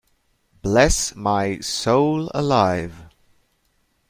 Bless my soul alive!